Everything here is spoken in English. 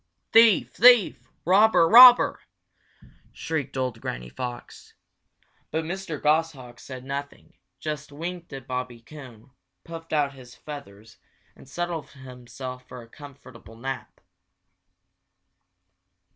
"Thief! thief! robber! robber!" shrieked old Granny Fox. But Mr. Goshawk said nothing, just winked at Bobby Coon, puffed out his feathers, and settled himself for a comfortable nap.